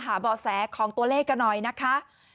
เบาะแสของตัวเลขกันหน่อยนะคะ